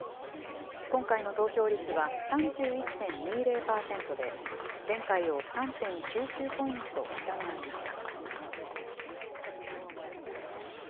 今回の投票率は３１．２０％で、前回を３．９９ポイント下回りました。